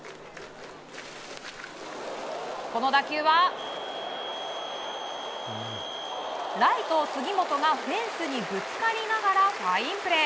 この打球はライト杉本がフェンスにぶつかりながらファインプレー。